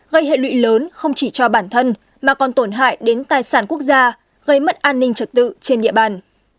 gây hệ lụy lớn không chỉ cho bản thân mà còn tổn hại đến tài sản quốc gia gây mất an ninh trật tự trên địa bàn